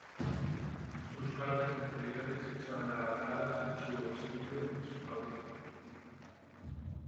Sus partes inferiores son anaranjadas y su obispillo es rojizo.